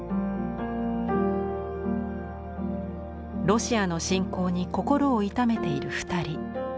ロシアの侵攻に心を痛めている２人。